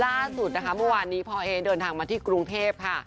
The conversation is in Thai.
ล่าสุดนะคะเมื่อวานนี้พ่อเอ๊เดินทางมาที่กรุงเทพค่ะ